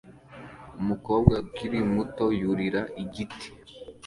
umukobwa ukiri muto yurira igiti